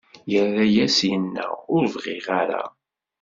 Irra-as, inna: Ur bɣiɣ ara.